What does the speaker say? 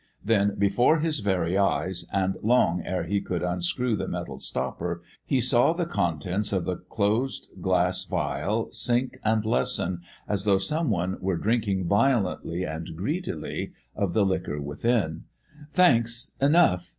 Then, before his very eyes, and long ere he could unscrew the metal stopper, he saw the contents of the closed glass phial sink and lessen as though some one were drinking violently and greedily of the liquor within. "Thanks! Enough!